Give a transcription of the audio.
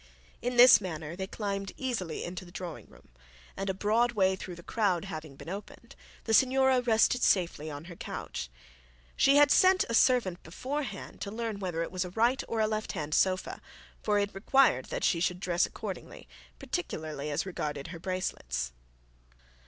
In this manner they climbed easily into the drawing room, and a broad way through the crowd having been opened, the signora rested safely on her couch. She had sent a servant beforehand to learn whether it was a right or a left hand sofa, for it required that she should dress accordingly, particularly as regarded her bracelets.